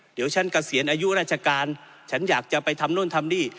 เดี๋ยวฉันเกษียณอายุราชการฉันอยากจะไปทำนู่นทำนี่